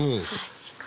確かに。